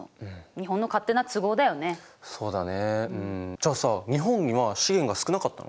じゃあさ日本には資源が少なかったの？